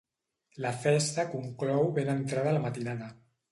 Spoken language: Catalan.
La festa conclou ben entrada la matinada.